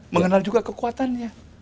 mengenal juga kekuatannya